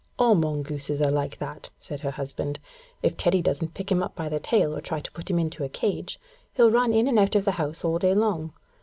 'All mongooses are like that,' said her husband. 'If Teddy doesn't pick him up by the tail, or try to put him in a cage, he'll run in and out of the house all day long.